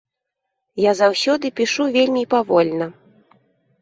Я заўсёды пішу вельмі павольна.